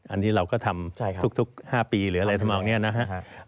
อันนี้เราก็ทำทุก๕ปีหรืออะไรทำนองนี้นะครับ